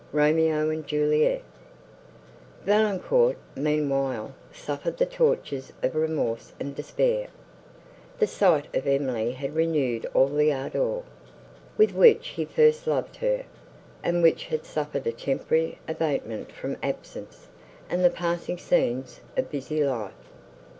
ROMEO AND JULIET Valancourt, meanwhile, suffered the tortures of remorse and despair. The sight of Emily had renewed all the ardour, with which he first loved her, and which had suffered a temporary abatement from absence and the passing scenes of busy life.